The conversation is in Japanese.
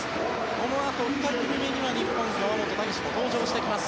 このあと２組目には日本、川本武史も登場してきます。